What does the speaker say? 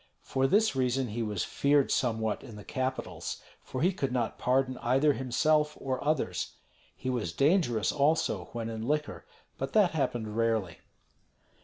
For this reason he was feared somewhat in the capitals, for he could not pardon either himself or others. He was dangerous also when in liquor; but that happened rarely.